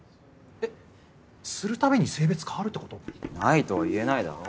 えっするたびに性別変わるってこと？ないとは言えないだろ。